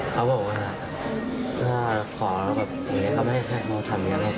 เขาบอกว่าถ้าขอตัวสัตว์ผมก็จะลิปโทรศัพท์ให้กินทั้งหมด